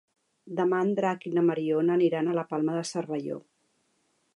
Demà en Drac i na Mariona aniran a la Palma de Cervelló.